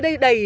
ở đây đầy